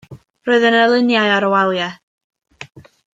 Roedd yna luniau ar y waliau.